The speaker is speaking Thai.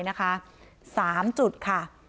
นะคะ๓จุดค่ะ